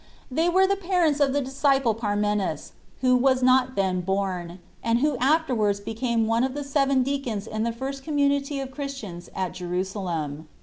They were the parents of the disciple Parmenas, who was not then born, and who afterwards became one of the seven deacons in the first community of Christians at Jeru salem.